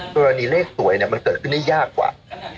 กรณีเลขสวยมันเกิดขึ้นได้ยากกว่า